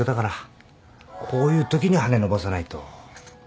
こういうときに羽伸ばさないと。